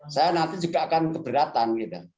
saya nanti juga akan keberatan gitu